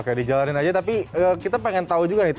oke dijalanin aja tapi kita pengen tahu juga nih